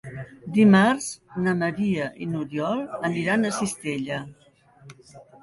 Dimarts na Maria i n'Oriol aniran a Cistella.